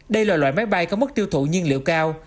đây là loại máy bay có mức tiêu thụ nhiên liệu cao